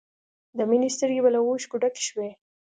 د مینې سترګې به له اوښکو ډکې شوې